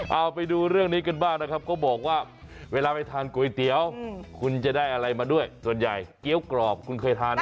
เอาไปดูเรื่องนี้กันบ้างนะครับก็บอกว่าเวลาไปทานก๋วยเตี๋ยวคุณจะได้อะไรมาด้วยส่วนใหญ่เกี้ยวกรอบคุณเคยทานไหม